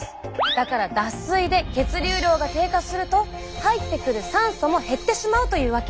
だから脱水で血流量が低下すると入ってくる酸素も減ってしまうというわけ。